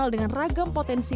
dengan ragam potensi